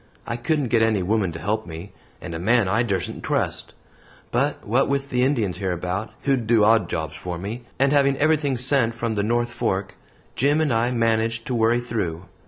I couldn't get any woman to help me, and a man I dursen't trust; but what with the Indians hereabout, who'd do odd jobs for me, and having everything sent from the North Fork, Jim and I managed to worry through.